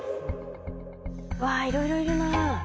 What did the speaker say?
わあいろいろいるな。